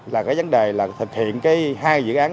là vấn đề thực hiện hai dự án